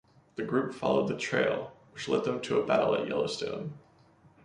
The group followed the trail, which led them to a battle at Yellowstone.